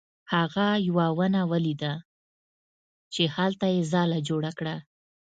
هغه یوه ونه ولیده او هلته یې ځاله جوړه کړه.